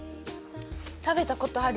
食べたことある！